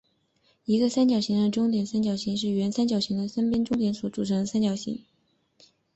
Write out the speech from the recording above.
一个三角形的中点三角形是原三角形的三边的中点所组成的三角形。